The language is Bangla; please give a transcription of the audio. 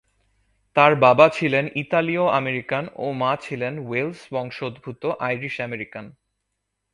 তার বাবা ছিলেন ইতালীয় আমেরিকান ও মা ছিলেন ওয়েলস বংশদ্ভূত আইরিশ আমেরিকান।